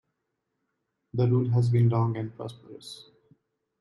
The rule has been long and prosperous.